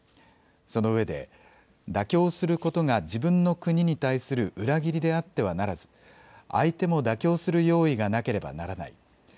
そのうえで妥協することが自分の国に対する裏切りであってはならず相手も妥協する用意がなければならない。